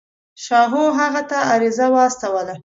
شاهو هغه ته عریضه واستوله.